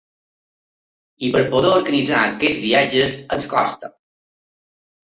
I per poder organitzar aquests viatges ens costa.